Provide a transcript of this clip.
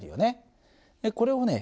これをね